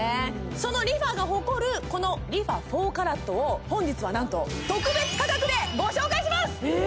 そのＲｅＦａが誇るこのＲｅＦａ４ＣＡＲＡＴを本日は何と特別価格でご紹介しますえ